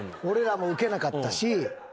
俺らもウケなかったし。